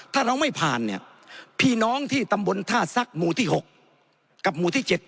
ถ้าเราไม่ผ่านเนี่ยพี่น้องที่ตำบลท่าซักหมู่ที่๖กับหมู่ที่๗